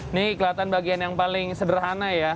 ini kelihatan bagian yang paling sederhana ya